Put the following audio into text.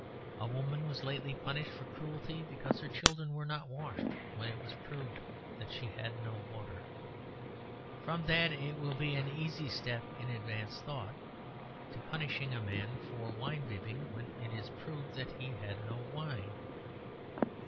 A woman was lately punished for cruelty because her children were not washed when it was proved that she had no water. From that it will be an easy step in Advanced Thought to punishing a man for wine bibbing when it is proved that he had no wine.